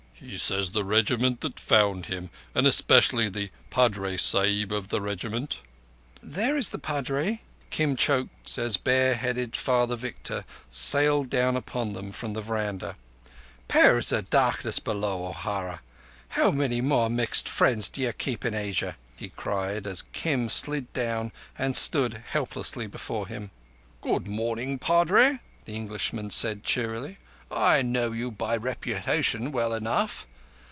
"He says the Regiment that found him, and especially the Padre sahib of that regiment. "There is the Padre!" Kim choked as bare headed Father Victor sailed down upon them from the veranda. "Powers O' Darkness below, O'Hara! How many more mixed friends do you keep in Asia?" he cried, as Kim slid down and stood helplessly before him. "Good morning, Padre," the Englishman said cheerily. "I know you by reputation well enough.